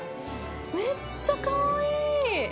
めっちゃかわいい。